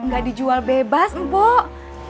gak dijual bebas mpok